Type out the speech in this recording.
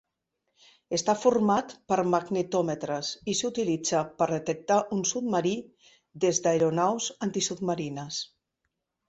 Està format per magnetòmetres i s'utilitza per detectar un submarí des d'aeronaus antisubmarines.